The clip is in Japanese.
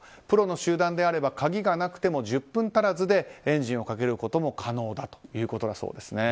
プロの集団であれば鍵がなくても１０分足らずでエンジンをかけることも可能ということだそうです。